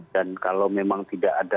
dan kalau memang tidak ada